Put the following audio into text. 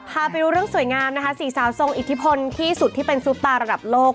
พาไปดูเรื่องสวยงามนะคะสี่สาวทรงอิทธิพลที่สุดที่เป็นซุปตาระดับโลก